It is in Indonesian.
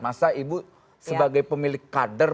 masa ibu sebagai pemilik kader